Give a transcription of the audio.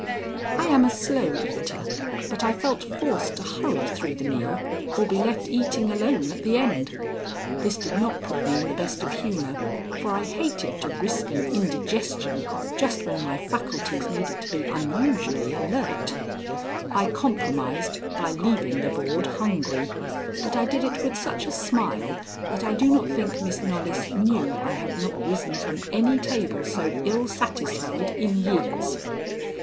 I am a slow eater, but I felt forced to hurry through the meal or be left eating alone at the end. This did not put me in the best of humor, for I hated to risk an indigestion just when my faculties needed to be unusually alert. I compromised by leaving the board hungry, but I did it with such a smile that I do not think Miss Knollys knew I had not risen from any table so ill satisfied in years.